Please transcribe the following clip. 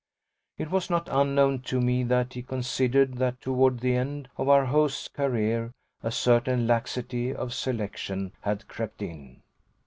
It was not unknown to me that he considered that toward the end of our host's career a certain laxity of selection had crept in.